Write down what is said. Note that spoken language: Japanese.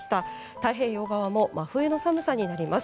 太平洋側も真冬の寒さになります。